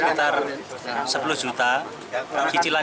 sangat terjangkau gitu pak